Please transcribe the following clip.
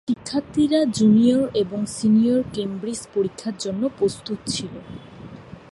শিক্ষার্থীরা জুনিয়র এবং senior Cambridge পরীক্ষার জন্য প্রস্তুত ছিল।